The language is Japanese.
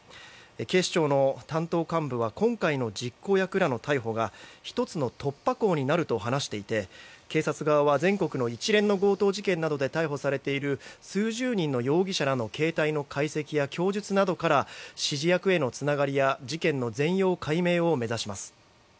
警視庁の担当幹部は今回の実行役らの逮捕が１つの突破口になると話していて警察側は全国の一連の強盗事件などで逮捕されている数十人の容疑者らの携帯の解析や供述などから指示役へのつながりや事件の全容解明を目指します。